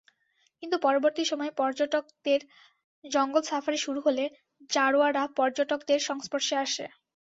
কিন্তু পরবর্তী সময়ে পর্যটকদের জঙ্গল সাফারি শুরু হলে জারোয়ারা পর্যটকদের সংস্পর্শে আসে।